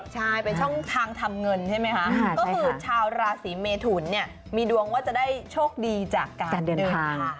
ใช่เป็นช่องทางทำเงินใช่ไหมคะก็คือชาวราศีเมทุนเนี่ยมีดวงว่าจะได้โชคดีจากการเดินทาง